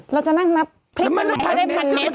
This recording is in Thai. เราจะนั่งนับพริกไหมถ้าได้๑เน็ต